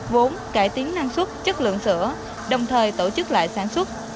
vốn cải tiến năng suất chất lượng sữa đồng thời tổ chức lại sản xuất